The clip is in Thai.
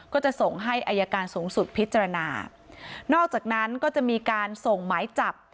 ก็จะส่งให้อายการสูงสุดพิจารณานอกจากนั้นก็จะมีการส่งหมายจับ